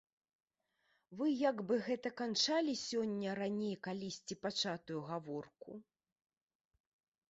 Вы як бы гэта канчалі сёння раней калісьці пачатую гаворку?